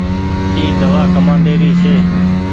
اي دوآ ڪمآندي ري ڇي۔